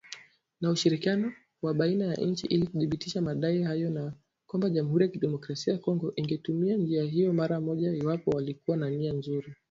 Na ushirikiano wa baina ya nchi ili kuthibitisha madai hayo na kwamba Jamuhuri ya Kidemokrasia ya Kongo ingetumia njia hiyo mara moja iwapo walikuwa na nia nzuri”